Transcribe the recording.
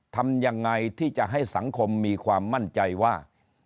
ทำยังไงที่จะให้สังคมมีความมั่นใจว่า